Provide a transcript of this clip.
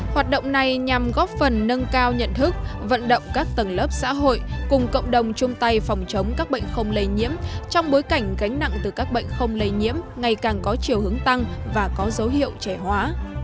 hoạt động này nhằm góp phần nâng cao nhận thức vận động các tầng lớp xã hội cùng cộng đồng chung tay phòng chống các bệnh không lây nhiễm trong bối cảnh gánh nặng từ các bệnh không lây nhiễm ngày càng có chiều hướng tăng và có dấu hiệu trẻ hóa